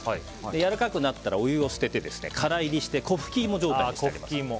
やわらかくなったらお湯を捨てて、乾いりして粉ふきいも状態にしています。